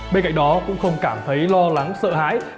bên cạnh đó cũng không cảm thấy lo lắng sợ hãi